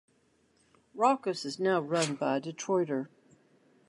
Rawkus is now run by a Detroiter.